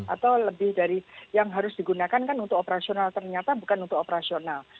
atau lebih dari yang harus digunakan kan untuk operasional ternyata bukan untuk operasional